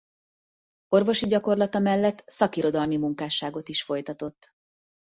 Orvosi gyakorlata mellett szakirodalmi munkásságot is folytatott.